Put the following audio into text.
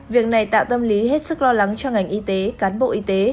việc này tạo tâm lý hết sức lo lắng cho ngành y tế cán bộ y tế